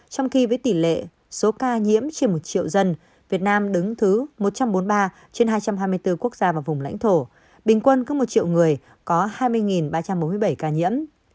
trong khi với tỷ lệ số ca nhiễm trên một triệu dân việt nam đứng thứ một trăm bốn mươi ba trên hai trăm hai mươi bốn quốc gia và vùng lãnh thổ bình quân cứ một triệu người có hai mươi ba trăm bốn mươi bảy ca nhiễm